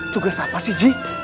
tugas apa sih ji